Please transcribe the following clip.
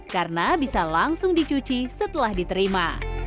karena bisa langsung dicuci setelah diterima